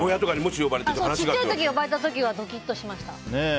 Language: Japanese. ちっちゃい時、呼ばれた時はドキッとしました。